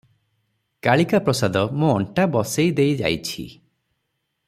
କାଳିକାପ୍ରସାଦ ମୋ ଅଣ୍ଟା ବସେଇ ଦେଇ ଯାଇଛି ।